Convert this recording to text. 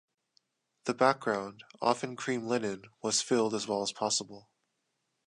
The background, often cream linen, was filled as well as possible.